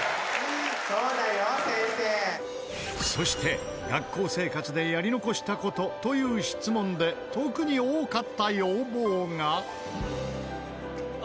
「そうだよ先生」そして学校生活でやり残した事という質問で特に多かった要望が。